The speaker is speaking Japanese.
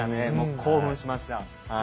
興奮しました。